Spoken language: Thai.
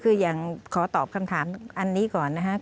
คืออย่างขอตอบคำถามอันนี้ก่อนนะครับ